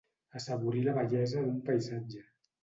Assaborir la bellesa d'un paisatge.